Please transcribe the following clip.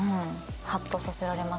ハッとさせられますね。